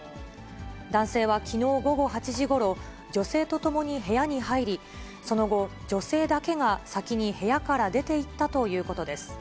男性はきのう午後８時ごろ、女性とともに部屋に入り、その後、女性だけが先に部屋から出ていったということです。